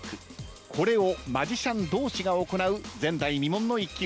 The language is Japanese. これをマジシャン同士が行う前代未聞の一騎打ちです。